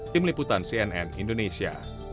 tim liputan cnn indonesia